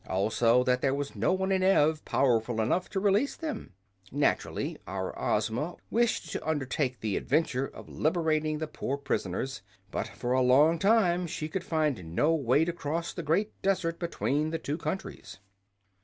Also that there was no one in Ev powerful enough to release them. Naturally our Ozma wished to undertake the adventure of liberating the poor prisoners; but for a long time she could find no way to cross the great desert between the two countries.